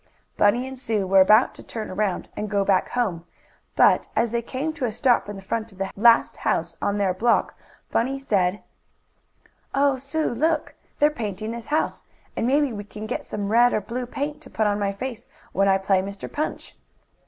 Bunny and Sue were about to turn around and go back home, but, as they came to a stop in front of the last house on their block Bunny said: "Oh, Sue, look! They're painting this house, and maybe we can get some red or blue paint, to put on my face, when I play Mr. Punch."